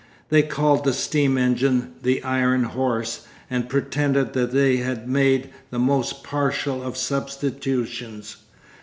They called the steam engine the 'iron horse' and pretended that they had made the most partial of substitutions.